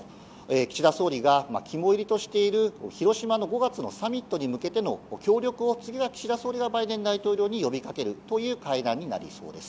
岸田総理が肝煎りとしている広島の５月のサミットに向けての協力を、岸田総理がバイデン大統領に呼びかける会談となりそうです。